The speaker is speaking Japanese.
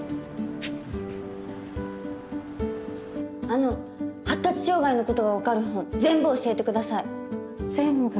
あの発達障害のことが分かる本全部教えてください。